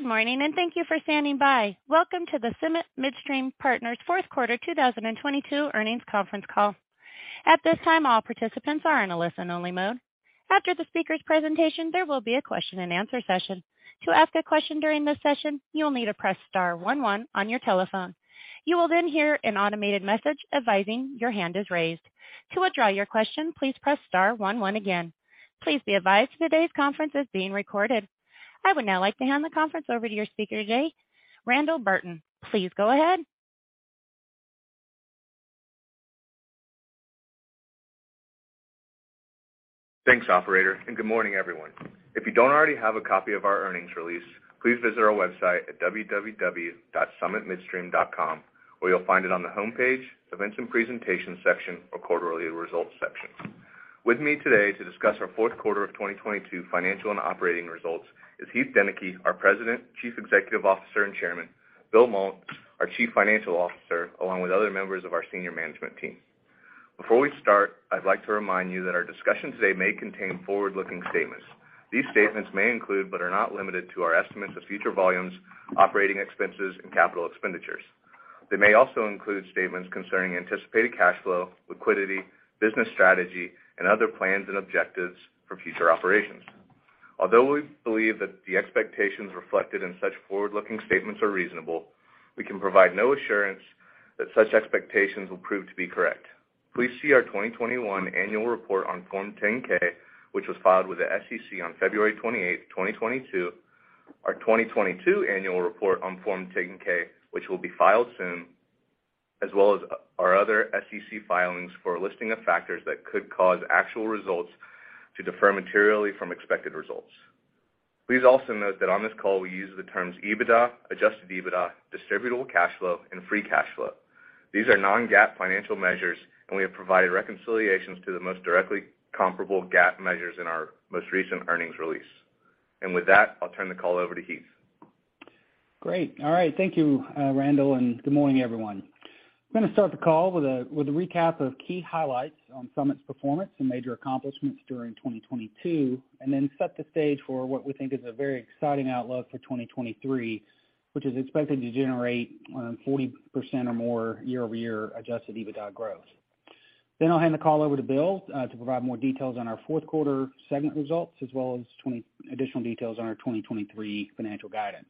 Good morning. Thank you for standing by. Welcome to the Summit Midstream Partners fourth quarter 2022 earnings conference call. At this time, all participants are in a listen only mode. After the speaker's presentation, there will be a question-and-answer session. To ask a question during this session, you'll need to press star one one on your telephone. You will then hear an automated message advising your hand is raised. To withdraw your question, please press star one one again. Please be advised today's conference is being recorded. I would now like to hand the conference over to your speaker today, Randall Burton. Please go ahead. Thanks, operator, and good morning, everyone. If you don't already have a copy of our earnings release, please visit our website at www.summitmidstream.com, where you'll find it on the homepage, Events and Presentation section or Quarterly Results section. With me today to discuss our fourth quarter of 2022 financial and operating results is Heath Deneke, our President, Chief Executive Officer, and Chairman, Bill Mault, our Chief Financial Officer, along with other members of our senior management team. Before we start, I'd like to remind you that our discussion today may contain forward-looking statements. These statements may include, but are not limited to, our estimates of future volumes, operating expenses, and capital expenditures. They may also include statements concerning anticipated cash flow, liquidity, business strategy, and other plans and objectives for future operations. Although we believe that the expectations reflected in such forward-looking statements are reasonable, we can provide no assurance that such expectations will prove to be correct. Please see our 2021 annual report on Form 10-K, which was filed with the SEC on February 28, 2022, our 2022 annual report on Form 10-K, which will be filed soon, as well as our other SEC filings for a listing of factors that could cause actual results to defer materially from expected results. Please also note that on this call we use the terms EBITDA, Adjusted EBITDA, distributable cash flow, and free cash flow. These are non-GAAP financial measures, and we have provided reconciliations to the most directly comparable GAAP measures in our most recent earnings release. With that, I'll turn the call over to Heath. Great. All right. Thank you, Randall, and good morning, everyone. I'm gonna start the call with a recap of key highlights on Summit Midstream's performance and major accomplishments during 2022, and then set the stage for what we think is a very exciting outlook for 2023, which is expected to generate 40% or more year-over-year Adjusted EBITDA growth. I'll hand the call over to Bill Mault to provide more details on our fourth quarter segment results, as well as additional details on our 2023 financial guidance.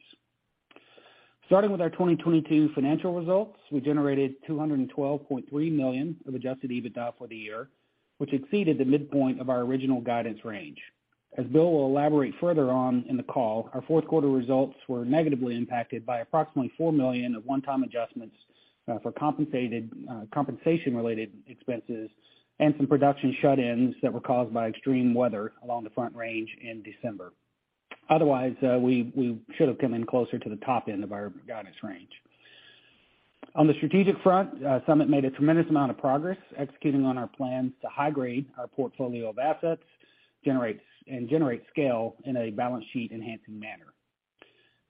Starting with our 2022 financial results, we generated $212.3 million of Adjusted EBITDA for the year, which exceeded the midpoint of our original guidance range. As Bill will elaborate further on in the call, our fourth quarter results were negatively impacted by approximately $4 million of one-time adjustments, for compensation-related expenses and some production shut-ins that were caused by extreme weather along the Front Range in December. Otherwise, we should have come in closer to the top end of our guidance range. On the strategic front, Summit made a tremendous amount of progress executing on our plans to high grade our portfolio of assets, generates, and generate scale in a balance sheet enhancing manner.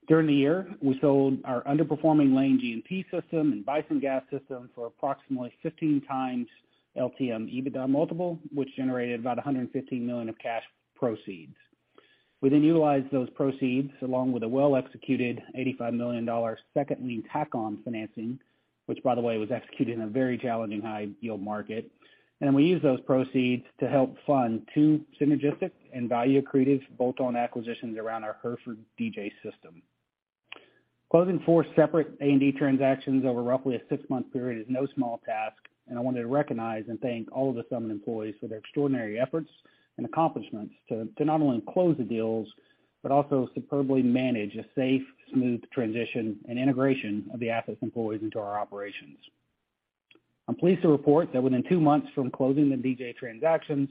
During the year, we sold our underperforming Lane G&P system and Bison Gas system for approximately 15x LTM EBITDA multiple, which generated about $115 million of cash proceeds. We utilized those proceeds along with a well-executed $85 million second lien tack on financing, which by the way was executed in a very challenging high yield market. We used those proceeds to help fund two synergistic and value accretive bolt-on acquisitions around our Hereford DJ system. Closing four separate A&D transactions over roughly a six-month period is no small task, I wanted to recognize and thank all of the Summit employees for their extraordinary efforts and accomplishments to not only close the deals, but also superbly manage a safe, smooth transition and integration of the assets employees into our operations. I'm pleased to report that within two months from closing the DJ transactions,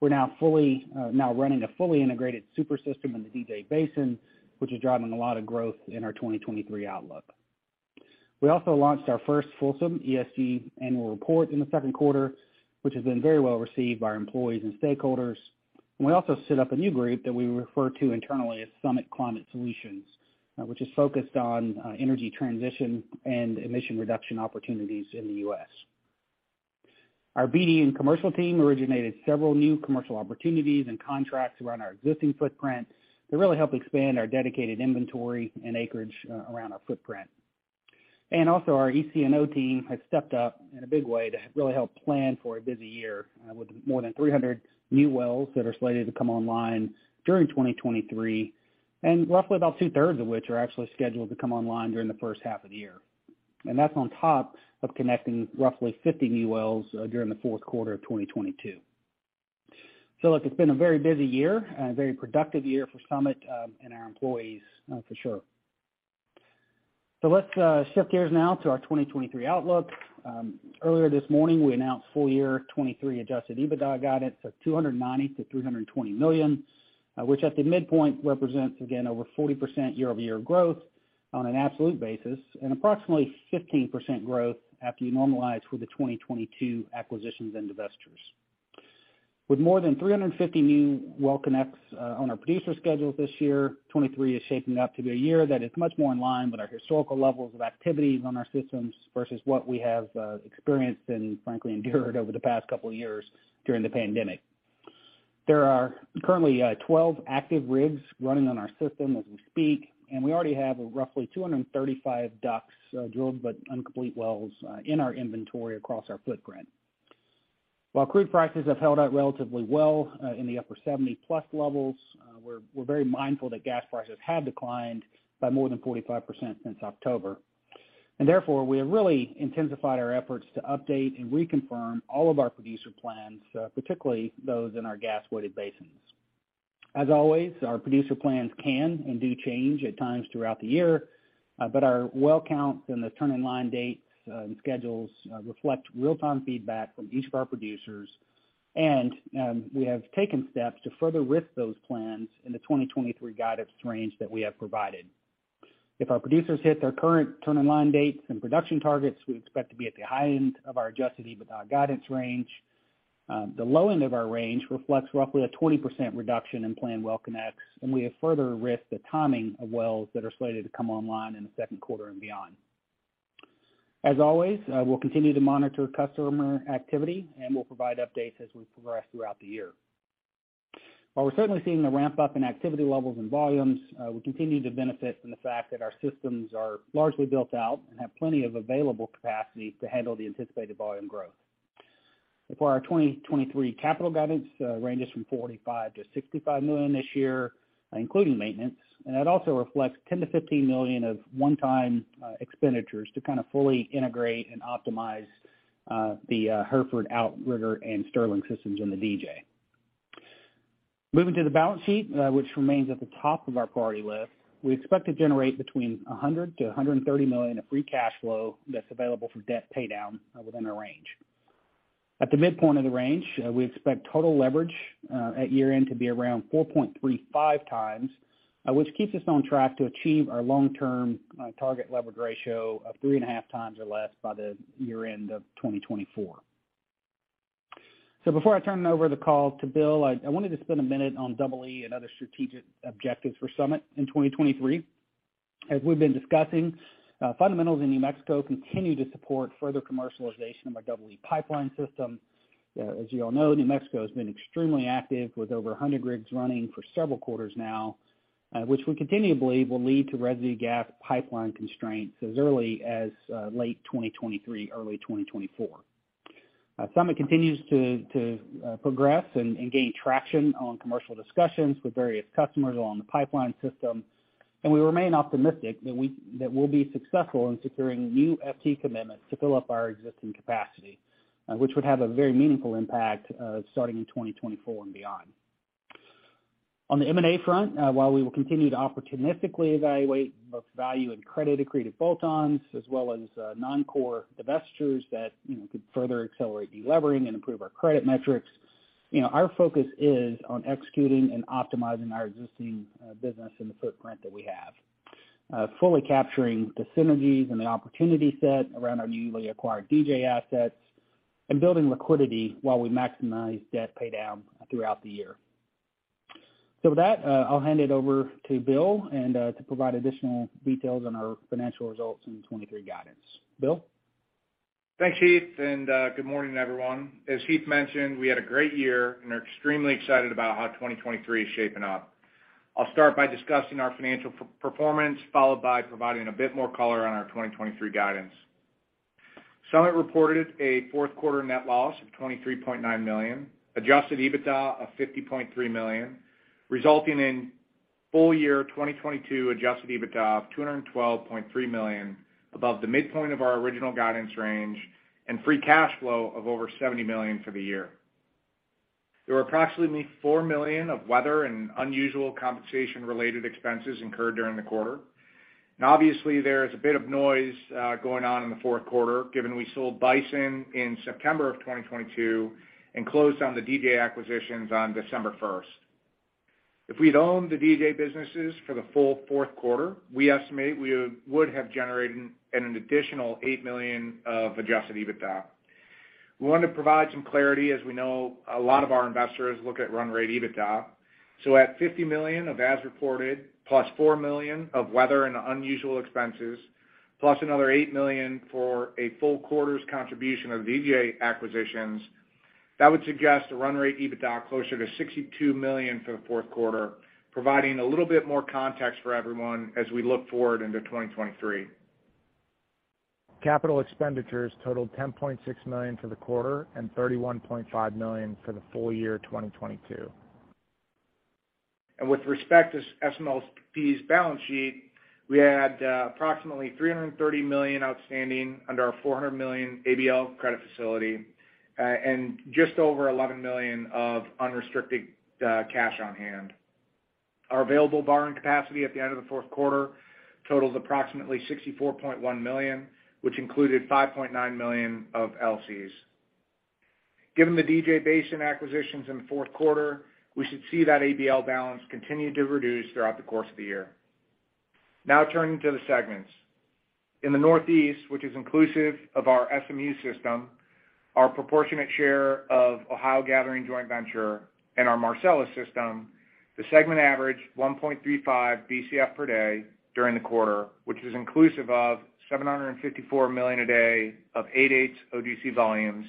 we're now fully running a fully integrated super system in the DJ Basin, which is driving a lot of growth in our 2023 outlook. We also launched our first fulsome ESG annual report in the second quarter, which has been very well received by our employees and stakeholders. We also set up a new group that we refer to internally as Summit Climate Solutions, which is focused on energy transition and emission reduction opportunities in the U.S. Our BD and commercial team originated several new commercial opportunities and contracts around our existing footprint to really help expand our dedicated inventory and acreage around our footprint. Our EC&O team has stepped up in a big way to really help plan for a busy year with more than 300 new wells that are slated to come online during 2023, and roughly about two-thirds of which are actually scheduled to come online during the first half of the year. That's on top of connecting roughly 50 new wells during the fourth quarter of 2022. Look, it's been a very busy year, a very productive year for Summit and our employees for sure. Let's shift gears now to our 2023 outlook. Earlier this morning, we announced full year 2023 Adjusted EBITDA guidance of $290 million-$320 million, which at the midpoint represents again over 40% year-over-year growth on an absolute basis and approximately 15% growth after you normalize for the 2022 acquisitions and divestitures. With more than 350 new well connects on our producer schedules this year, 2023 is shaping up to be a year that is much more in line with our historical levels of activities on our systems versus what we have experienced and frankly endured over the past couple of years during the pandemic. There are currently 12 active rigs running on our system as we speak, and we already have roughly 235 DUCs, drilled but uncomplete wells in our inventory across our footprint. While crude prices have held out relatively well in the upper $70+ levels, we're very mindful that gas prices have declined by more than 45% since October. Therefore, we have really intensified our efforts to update and reconfirm all of our producer plans, particularly those in our gas-weighted basins. As always, our producer plans can and do change at times throughout the year, but our well counts and the turn-in-line dates and schedules reflect real-time feedback from each of our producers. We have taken steps to further risk those plans in the 2023 guidance range that we have provided. If our producers hit their current turn-in-line dates and production targets, we expect to be at the high end of our Adjusted EBITDA guidance range. The low end of our range reflects roughly a 20% reduction in planned well connects, and we have further risked the timing of wells that are slated to come online in the second quarter and beyond. As always, we'll continue to monitor customer activity, and we'll provide updates as we progress throughout the year. While we're certainly seeing the ramp-up in activity levels and volumes, we continue to benefit from the fact that our systems are largely built out and have plenty of available capacity to handle the anticipated volume growth. For our 2023 capital guidance, ranges from $45 million-$65 million this year, including maintenance, and that also reflects $10 million-$15 million of one-time expenditures to kind of fully integrate and optimize, the, Hereford, Outrigger DJ and Sterling DJ systems in the DJ. Moving to the balance sheet, which remains at the top of our priority list, we expect to generate between $100 million-$130 million of free cash flow that's available for debt paydown, within our range. At the midpoint of the range, we expect total leverage at year-end to be around 4.35 times, which keeps us on track to achieve our long-term target leverage ratio of 3.5 times or less by the year-end of 2024. Before I turn over the call to Bill, I wanted to spend a minute on Double E and other strategic objectives for Summit in 2023. As we've been discussing, fundamentals in New Mexico continue to support further commercialization of our Double E pipeline system. As you all know, New Mexico has been extremely active with over 100 rigs running for several quarters now, which we continue to believe will lead to residue gas pipeline constraints as early as late 2023, early 2024. Summit continues to progress and gain traction on commercial discussions with various customers along the pipeline system. We remain optimistic that we'll be successful in securing new FT commitments to fill up our existing capacity, which would have a very meaningful impact starting in 2024 and beyond. On the M&A front, while we will continue to opportunistically evaluate both value and credit accretive bolt-ons as well as non-core divestitures that, you know, could further accelerate delevering and improve our credit metrics. You know, our focus is on executing and optimizing our existing business and the footprint that we have. Fully capturing the synergies and the opportunity set around our newly acquired DJ assets and building liquidity while we maximize debt paydown throughout the year. With that, I'll hand it over to Bill and to provide additional details on our financial results and 2023 guidance. Bill? Thanks, Heath. Good morning, everyone. As Heath mentioned, we had a great year and are extremely excited about how 2023 is shaping up. I'll start by discussing our financial performance, followed by providing a bit more color on our 2023 guidance. Summit reported a fourth quarter net loss of $23.9 million, Adjusted EBITDA of $50.3 million, resulting in full year 2022 Adjusted EBITDA of $212.3 million above the midpoint of our original guidance range and free cash flow of over $70 million for the year. There were approximately $4 million of weather and unusual compensation related expenses incurred during the quarter. Obviously, there is a bit of noise going on in the fourth quarter, given we sold Bison in September of 2022 and closed on the DJ acquisitions on December 1st. If we'd owned the DJ businesses for the full fourth quarter, we estimate we would have generated an additional $8 million of Adjusted EBITDA. We want to provide some clarity, as we know a lot of our investors look at run rate EBITDA. At $50 million of as reported, plus $4 million of weather and unusual expenses, plus another $8 million for a full quarter's contribution of DJ acquisitions, that would suggest a run rate EBITDA closer to $62 million for the fourth quarter, providing a little bit more context for everyone as we look forward into 2023. Capital expenditures totaled $10.6 million for the quarter and $31.5 million for the full year 2022. With respect to SMLP's balance sheet, we had approximately $330 million outstanding under our $400 million ABL credit facility, and just over $11 million of unrestricted cash on hand. Our available borrowing capacity at the end of the fourth quarter totals approximately $64.1 million, which included $5.9 million of LCs. Given the DJ Basin acquisitions in the fourth quarter, we should see that ABL balance continue to reduce throughout the course of the year. Turning to the segments. In the Northeast, which is inclusive of our SMU system, our proportionate share of Ohio Gathering Joint Venture and our Marcellus system. The segment averaged 1.35 BCF per day during the quarter, which is inclusive of $754 million a day of 8/8ths OGC volumes,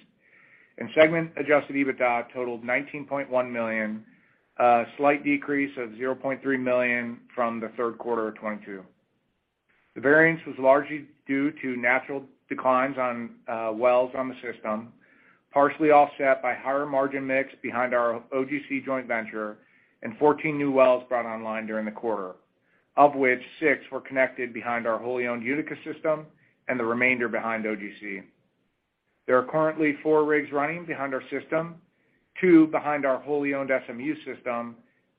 and segment Adjusted EBITDA totaled $19.1 million, a slight decrease of $0.3 million from the third quarter of 2022. The variance was largely due to natural declines on wells on the system, partially offset by higher margin mix behind our OGC joint venture and 14 new wells brought online during the quarter, of which 6 were connected behind our wholly owned Utica system and the remainder behind OGC. There are currently four rigs running behind our system, two behind our wholly owned SMU system,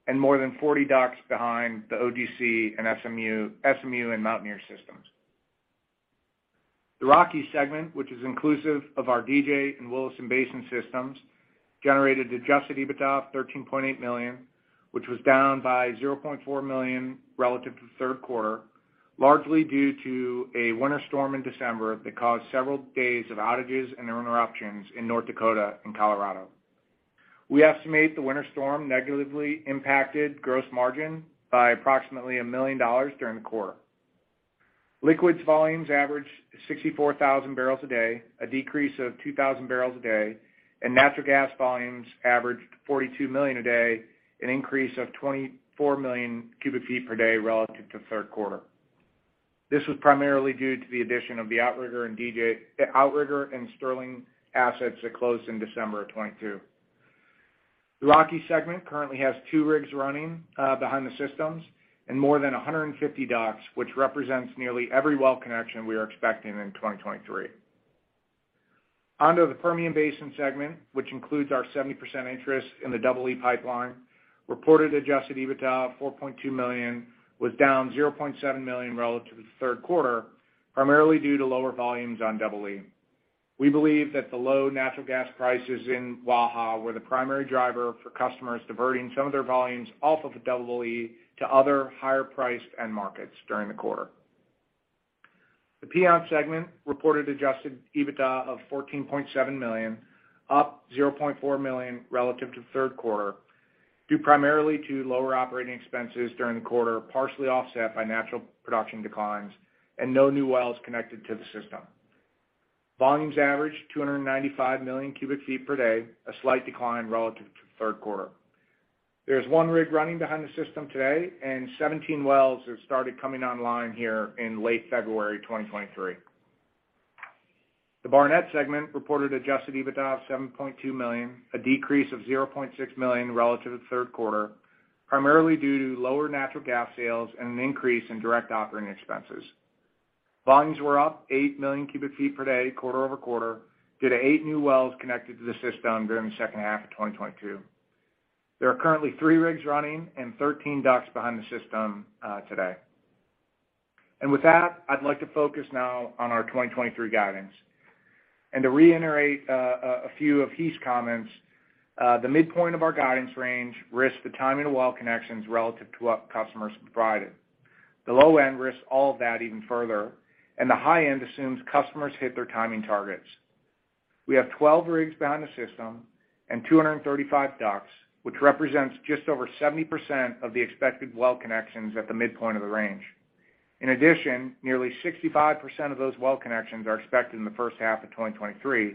and more than 40 docks behind the OGC and SMU and Mountaineer systems. The Rockies segment, which is inclusive of our DJ and Williston Basin systems, generated Adjusted EBITDA of $13.8 million, which was down by $0.4 million relative to the third quarter, largely due to a winter storm in December that caused several days of outages and interruptions in North Dakota and Colorado. We estimate the winter storm negatively impacted gross margin by approximately $1 million during the quarter. Liquids volumes averaged 64,000 barrels a day, a decrease of 2,000 barrels a day, and natural gas volumes averaged 42 million a day, an increase of 24 million cubic feet per day relative to the third quarter. This was primarily due to the addition of the Outrigger and Sterling assets that closed in December of 2022. The Rockies segment currently has two rigs running behind the systems and more than 150 DUCs, which represents nearly every well connection we are expecting in 2023. On to the Permian Basin segment, which includes our 70% interest in the Double E pipeline. Reported Adjusted EBITDA of $4.2 million was down $0.7 million relative to the third quarter, primarily due to lower volumes on Double E. We believe that the low natural gas prices in Waha were the primary driver for customers diverting some of their volumes off of the Double E to other higher priced end markets during the quarter. The Piceance segment reported Adjusted EBITDA of $14.7 million, up $0.4 million relative to the third quarter, due primarily to lower operating expenses during the quarter, partially offset by natural production declines and no new wells connected to the system. Volumes averaged 295 million cubic feet per day, a slight decline relative to the third quarter. There's one rig running behind the system today, 17 wells have started coming online here in late February 2023. The Barnett segment reported Adjusted EBITDA of $7.2 million, a decrease of $0.6 million relative to the third quarter, primarily due to lower natural gas sales and an increase in direct operating expenses. Volumes were up 8 million cubic feet per day quarter-over-quarter due to eight new wells connected to the system during the second half of 2022. There are currently three rigs running and 13 docks behind the system today. With that, I'd like to focus now on our 2023 guidance. To reiterate, a few of Heath's comments, the midpoint of our guidance range risks the timing of well connections relative to what customers provided. The low end risks all of that even further, and the high end assumes customers hit their timing targets. We have 12 rigs behind the system and 235 docks, which represents just over 70% of the expected well connections at the midpoint of the range. In addition, nearly 65% of those well connections are expected in the first half of 2023,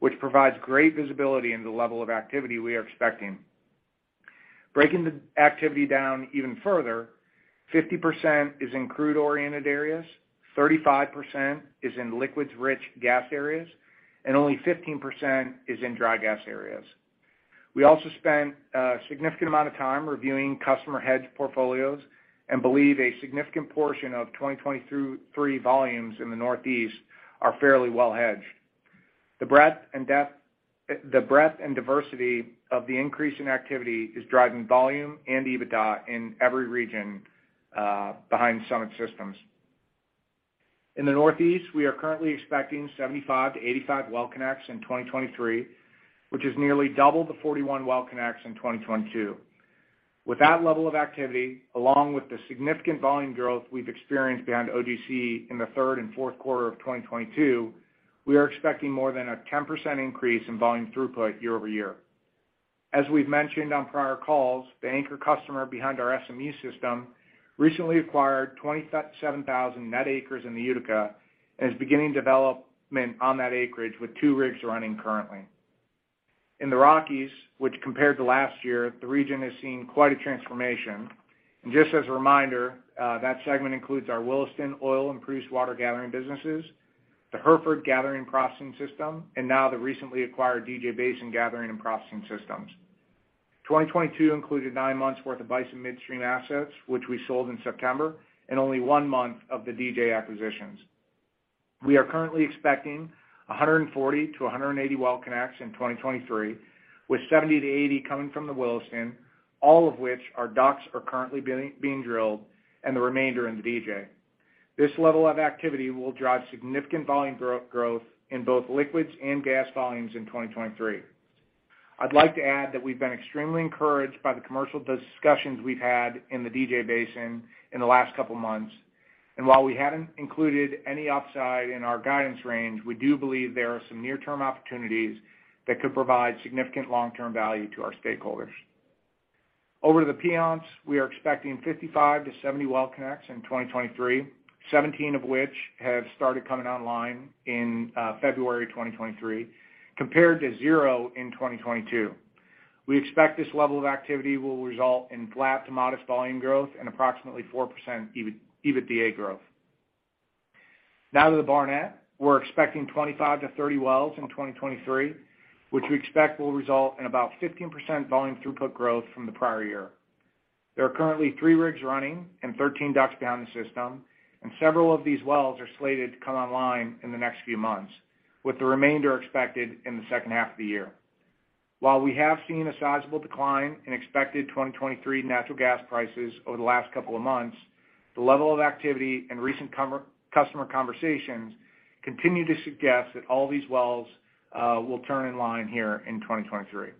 which provides great visibility into the level of activity we are expecting. Breaking the activity down even further, 50% is in crude-oriented areas, 35% is in liquids-rich gas areas, and only 15% is in dry gas areas. We also spent a significant amount of time reviewing customer hedge portfolios and believe a significant portion of 2023 volumes in the Northeast are fairly well hedged. The breadth and diversity of the increase in activity is driving volume and EBITDA in every region behind Summit systems. In the Northeast, we are currently expecting 75-85 well connects in 2023, which is nearly double the 41 well connects in 2022. With that level of activity, along with the significant volume growth we've experienced behind OGC in the third and fourth quarter of 2022, we are expecting more than a 10% increase in volume throughput year-over-year. As we've mentioned on prior calls, the anchor customer behind our SMU system recently acquired 27,000 net acres in the Utica and is beginning development on that acreage with two rigs running currently. In the Rockies, which compared to last year, the region has seen quite a transformation. Just as a reminder, that segment includes our Williston oil and produced water gathering businesses, the Hereford Gathering and Processing System, and now the recently acquired DJ Basin Gathering and Processing Systems. 2022 included nine months worth of Bison Midstream assets, which we sold in September, and only one month of the DJ acquisitions. We are currently expecting 140-180 well connects in 2023, with 70-80 coming from the Williston, all of which our DUCs are currently being drilled, and the remainder in the DJ. This level of activity will drive significant volume growth in both liquids and gas volumes in 2023. I'd like to add that we've been extremely encouraged by the commercial discussions we've had in the DJ Basin in the last couple of months. While we haven't included any upside in our guidance range, we do believe there are some near-term opportunities that could provide significant long-term value to our stakeholders. Over to the Piceance, we are expecting 55-70 well connects in 2023, 17 of which have started coming online in February 2023, compared to 0 in 2022. We expect this level of activity will result in flat to modest volume growth and approximately 4% EBITDA growth. Now to the Barnett. We're expecting 25-30 wells in 2023, which we expect will result in about 15% volume throughput growth from the prior year. There are currently three rigs running and 13 DUCs down the system, and several of these wells are slated to come online in the next few months, with the remainder expected in the second half of the year. While we have seen a sizable decline in expected 2023 natural gas prices over the last couple of months, the level of activity and recent customer conversations continue to suggest that all these wells will turn in line here in 2023.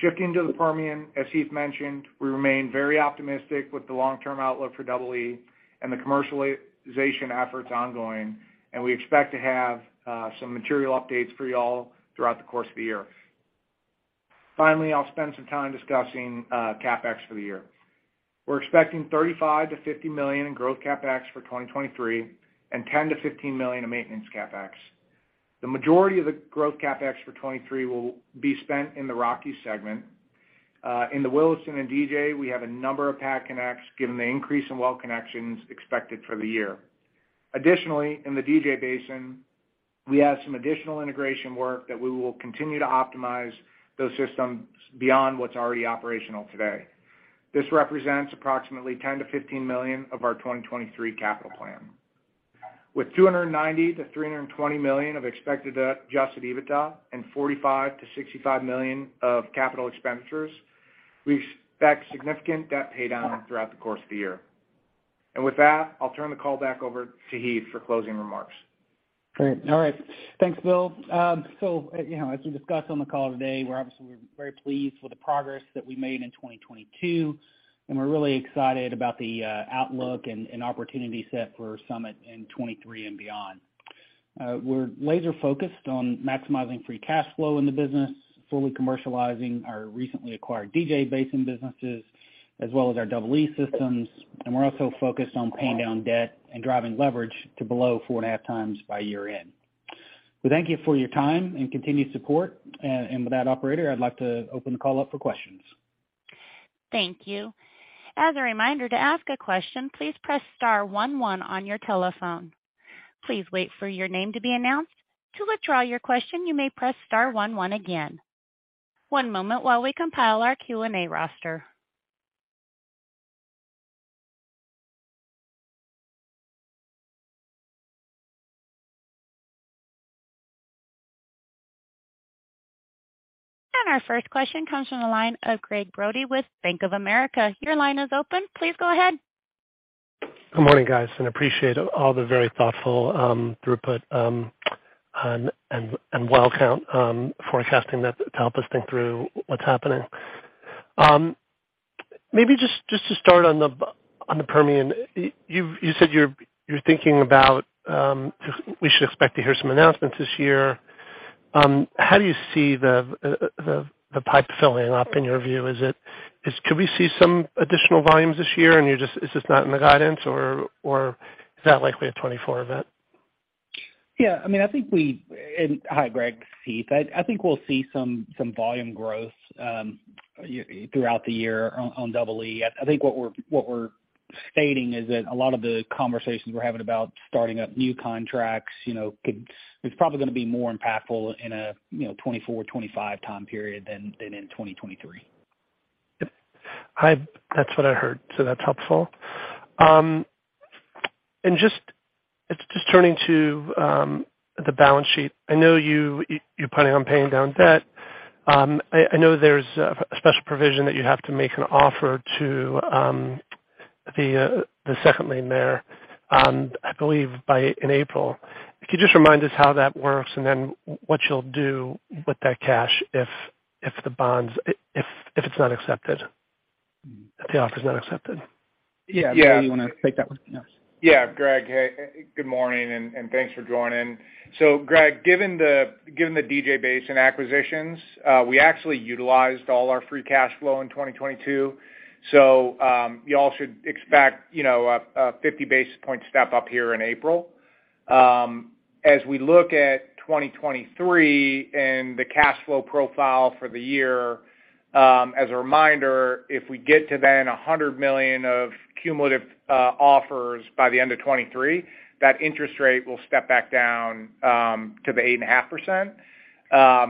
Shifting to the Permian, as Heath mentioned, we remain very optimistic with the long-term outlook for Double E and the commercialization efforts ongoing, and we expect to have some material updates for you all throughout the course of the year. Finally, I'll spend some time discussing CapEx for the year. We're expecting $35 million-$50 million in growth CapEx for 2023 and $10 million-$15 million in maintenance CapEx. The majority of the growth CapEx for 2023 will be spent in the Rocky segment. In the Williston and DJ, we have a number of pad connects given the increase in well connections expected for the year. Additionally, in the DJ Basin, we have some additional integration work that we will continue to optimize those systems beyond what's already operational today. This represents approximately $10 million-$15 million of our 2023 capital plan. With $290 million-$320 million of expected Adjusted EBITDA and $45 million-$65 million of capital expenditures, we expect significant debt paydown throughout the course of the year. With that, I'll turn the call back over to Heath for closing remarks. Great. All right. Thanks, Bill. You know, as we discussed on the call today, we're obviously very pleased with the progress that we made in 2022, and we're really excited about the outlook and opportunity set for Summit in 2023 and beyond. We're laser focused on maximizing free cash flow in the business, fully commercializing our recently acquired DJ Basin businesses, as well as our Double E systems, and we're also focused on paying down debt and driving leverage to below 4.5 times by year-end. We thank you for your time and continued support. With that, operator, I'd like to open the call up for questions. Thank you. As a reminder, to ask a question, please press star one one on your telephone. Please wait for your name to be announced. To withdraw your question, you may press star one one again. One moment while we compile our Q&A roster. Our first question comes from the line of Gregg Brody with Bank of America. Your line is open. Please go ahead. Good morning, guys. Appreciate all the very thoughtful throughput and well count forecasting that to help us think through what's happening. Maybe just to start on the Permian. You said you're thinking about we should expect to hear some announcements this year. How do you see the pipe filling up in your view? Could we see some additional volumes this year, and it's not in the guidance or is that likely a 2024 event? Yeah. I mean, I think hi, Gregg, it's Heath. I think we'll see some volume growth throughout the year on Double E. I think what we're stating is that a lot of the conversations we're having about starting up new contracts, you know, is probably gonna be more impactful in a, you know, 2024, 2025 time period than in 2023. That's what I heard, so that's helpful. Just turning to the balance sheet. I know you're planning on paying down debt. I know there's a special provision that you have to make an offer to the second lien there, I believe by in April. Could you just remind us how that works and then what you'll do with that cash if the bonds if it's not accepted? If the offer is not accepted. Yeah. Bill, you wanna take that one? Yeah. Yeah. Gregg, hey. Good morning, and thanks for joining. Gregg, given the DJ Basin acquisitions, we actually utilized all our free cash flow in 2022, you all should expect, you know, a 50 basis point step up here in April. As we look at 2023 and the cash flow profile for the year, as a reminder, if we get to then $100 million of cumulative offers by the end of 2023, that interest rate will step back down to the 8.5%.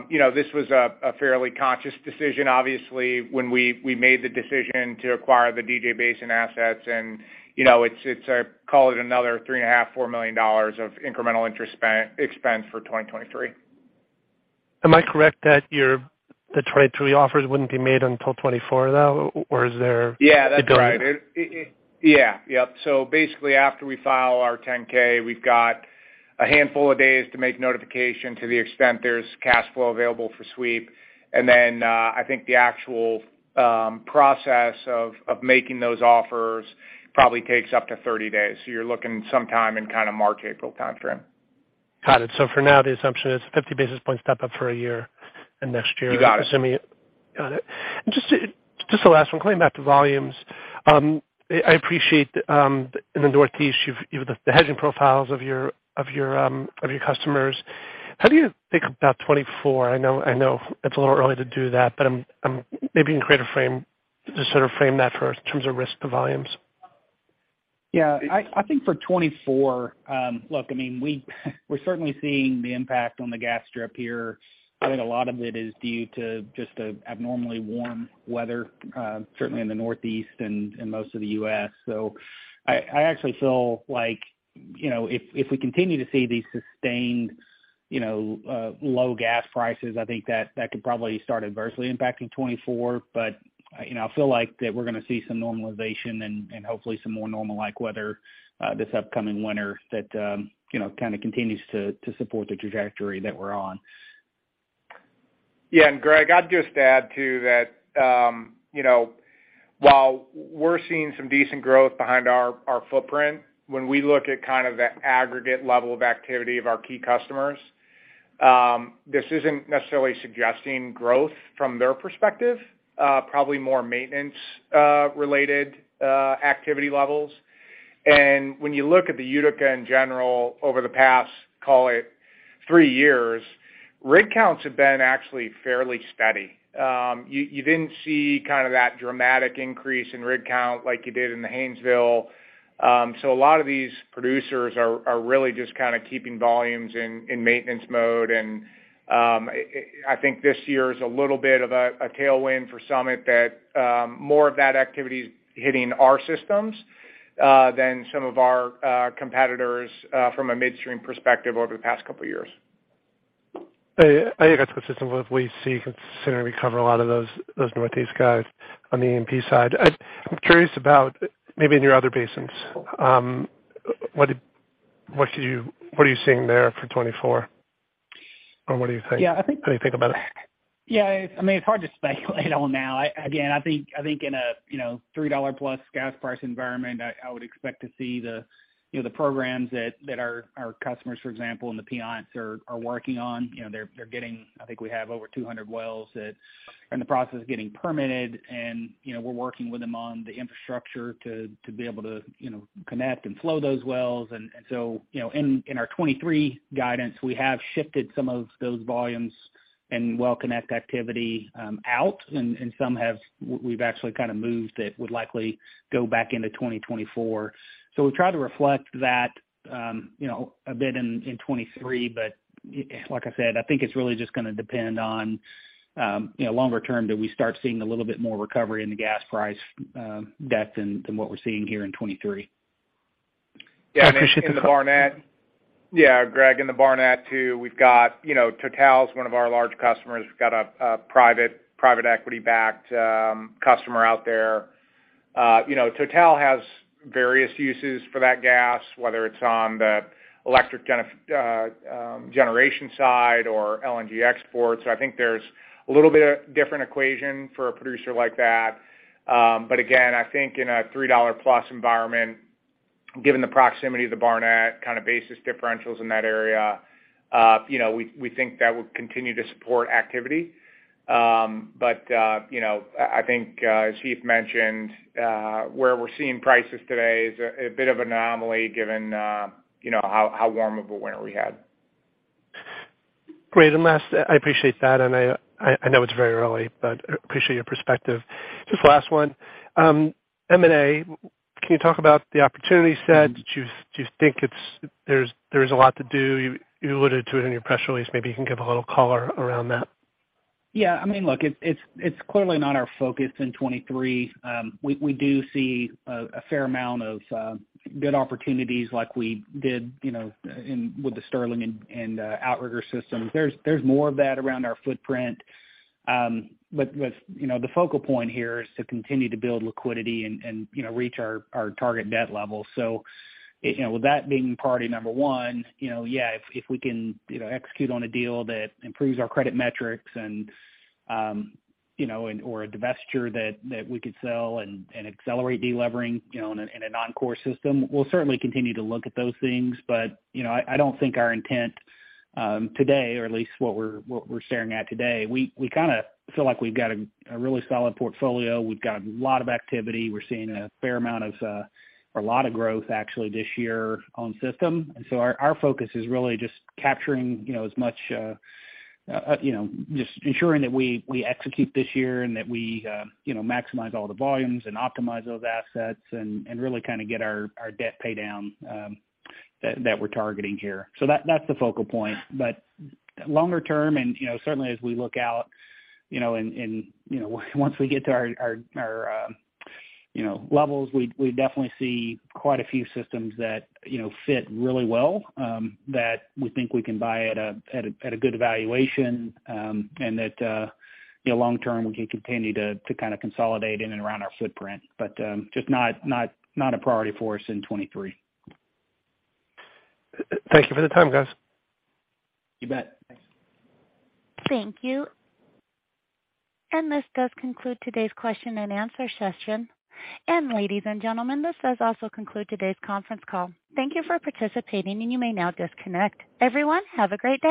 You know, this was a fairly conscious decision, obviously, when we made the decision to acquire the DJ Basin assets, you know, it's call it another $3.5 million-$4 million of incremental interest expense for 2023. Am I correct that the 23 offers wouldn't be made until 24, though? Yeah, that's right. Yeah. Yep. Basically after we file our 10-K, we've got a handful of days to make notification to the extent there's cash flow available for sweep. I think the actual process of making those offers probably takes up to 30 days. You're looking some time in kind of March, April timeframe. Got it. For now, the assumption is a 50 basis point step up for a year, and next year... You got it. Got it. Just the last one, going back to volumes. I appreciate in the Northeast, you've, you know, the hedging profiles of your customers. How do you think about 2024? I know it's a little early to do that, but maybe you can create a frame, just sort of frame that for us in terms of risk to volumes. I think for 2024, look, I mean, we're certainly seeing the impact on the gas strip here. I think a lot of it is due to just the abnormally warm weather, certainly in the Northeast and most of the U.S. I actually feel like, you know, if we continue to see these sustained, you know, low gas prices, I think that could probably start adversely impacting 2024. You know, I feel like that we're gonna see some normalization and hopefully some more normal-like weather this upcoming winter that, you know, kind of continues to support the trajectory that we're on. Yeah. Greg, I'd just add too that, you know, while we're seeing some decent growth behind our footprint, when we look at kind of the aggregate level of activity of our key customers, this isn't necessarily suggesting growth from their perspective. Probably more maintenance related activity levels. When you look at the Utica in general over the past, call it three years, rig counts have been actually fairly steady. You didn't see kind of that dramatic increase in rig count like you did in the Haynesville. A lot of these producers are really just kinda keeping volumes in maintenance mode. I think this year is a little bit of a tailwind for Summit that more of that activity is hitting our systems than some of our competitors from a midstream perspective over the past couple years. I think that's consistent with we see considering we cover a lot of those Northeast guys on the E&P side. I'm curious about maybe in your other basins, what are you seeing there for 24? What do you think? Yeah. What do you think about it? Yeah, I mean, it's hard to speculate on now. Again, I think in a, you know, $3 plus gas price environment, I would expect to see the, you know, the programs that our customers, for example, in the Piceance are working on. You know, they're getting... I think we have over 200 wells that are in the process of getting permitted, and, you know, we're working with them on the infrastructure to be able to, you know, connect and flow those wells. You know, in our 2023 guidance, we have shifted some of those volumes and well connect activity out and some have, we've actually kind of moved it, would likely go back into 2024. We try to reflect that, you know, a bit in 23, but, like I said, I think it's really just gonna depend on, you know, longer term, do we start seeing a little bit more recovery in the gas price depth than what we're seeing here in 23. I appreciate the... Yeah. In the Barnett. Yeah, Gregg, in the Barnett too, we've got, you know, Total is one of our large customers. We've got a private equity backed, customer out there. You know, Total has various uses for that gas, whether it's on the electric generation side or LNG exports. I think there's a little bit of different equation for a producer like that. Again, I think in a $3-plus environment, given the proximity to Barnett kind of basis differentials in that area, you know, we think that will continue to support activity. You know, I think, as Heath mentioned, where we're seeing prices today is a bit of anomaly given, you know, how warm of a winter we had. Great. Last... I appreciate that, and I know it's very early, but appreciate your perspective. Just last one. M&A, can you talk about the opportunity set? Do you think there's a lot to do? You alluded to it in your press release. Maybe you can give a little color around that. Yeah. I mean, look, it's clearly not our focus in 2023. We do see a fair amount of good opportunities like we did, you know, with the Sterling and Outrigger systems. There's more of that around our footprint. But, you know, the focal point here is to continue to build liquidity and, you know, reach our target debt level. You know, with that being priority number 1, you know, yeah, if we can, you know, execute on a deal that improves our credit metrics and, you know, or a divestiture that we could sell and accelerate de-levering, you know, in a non-core system, we'll certainly continue to look at those things. You know, I don't think our intent today, or at least what we're staring at today, we kinda feel like we've got a really solid portfolio. We've got a lot of activity. We're seeing a fair amount of or a lot of growth actually this year on system. Our focus is really just capturing, you know, as much, you know, just ensuring that we execute this year and that we, you know, maximize all the volumes and optimize those assets and really kinda get our debt pay down that we're targeting here. That's the focal point. longer term and, you know, certainly as we look out, you know, and, you know, once we get to our, you know, levels, we definitely see quite a few systems that, you know, fit really well, that we think we can buy at a good valuation, and that, you know, long term, we can continue to kinda consolidate in and around our footprint. Just not a priority for us in 23. Thank you for the time, guys. You bet. Thanks. Thank you. This does conclude today's question and answer session. Ladies and gentlemen, this does also conclude today's conference call. Thank you for participating, and you may now disconnect. Everyone, have a great day.